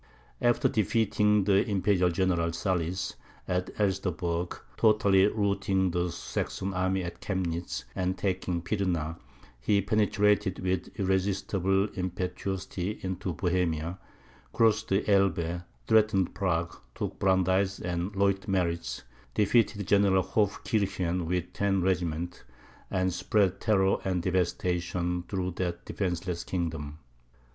After defeating the Imperial General Salis, at Elsterberg, totally routing the Saxon army at Chemnitz, and taking Pirna, he penetrated with irresistible impetuosity into Bohemia, crossed the Elbe, threatened Prague, took Brandeis and Leutmeritz, defeated General Hofkirchen with ten regiments, and spread terror and devastation through that defenceless kingdom.